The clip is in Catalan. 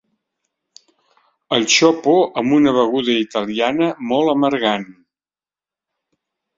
El xopo amb una beguda italiana molt amargant.